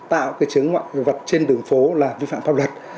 tạo cái chứng ngoại vật trên đường phố là vi phạm pháp luật